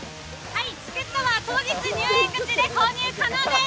チケットは当日、入園口で購入可能です。